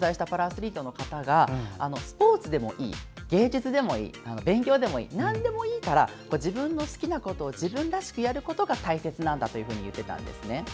以前取材したパラアスリートの方がスポーツでもいい、芸術でもいい勉強でもいい、なんでもいいから自分の好きなことを自分らしくやることが大切だと言っていたんですね。